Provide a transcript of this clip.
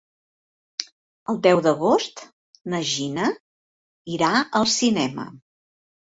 El deu d'agost na Gina irà al cinema.